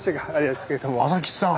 麻吉さん。